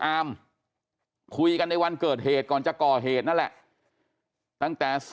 อามคุยกันในวันเกิดเหตุก่อนจะก่อเหตุนั่นแหละตั้งแต่